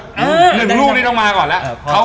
หนึ่งลูกนี่ต้องมาก่อนแล้ว